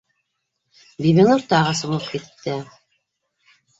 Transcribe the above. Бибинур тағы сумып китте